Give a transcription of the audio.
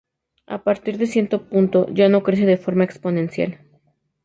A partir de cierto punto ya no crece de forma exponencial.